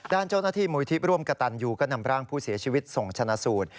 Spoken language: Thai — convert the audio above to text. ด้านเจ้าหน้าที่มูลที่ร่วมกระตันยูก็นำร่างผู้เสียชีวิตส่งชนะสูตร